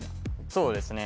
そうですね